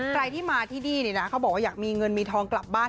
ใครที่มาที่นี่นะเขาบอกว่าอยากมีเงินมีทองกลับบ้าน